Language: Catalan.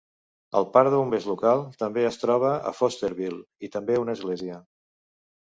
El parc de bombers local també es troba a Fosterville, i també una església.